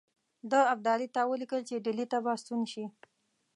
ده ابدالي ته ولیکل چې ډهلي ته به ستون شي.